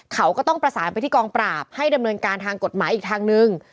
เขาก็ต้องประสานไปที่กองปราบให้ดำเนินการทางกฎหมายอีกทางนึง